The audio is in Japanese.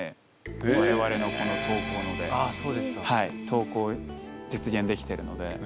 はい投降実現できてるので。